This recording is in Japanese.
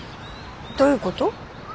どういうこと？